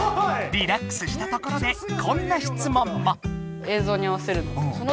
リラックスしたところでこんなしつもんも！